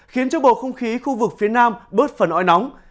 khiến cho bầu không khí khu vực phía nam bớt phần oi nóng